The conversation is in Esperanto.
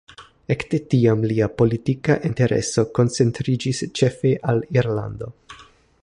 Ekde tiam lia politika intereso koncentriĝis ĉefe al Irlando.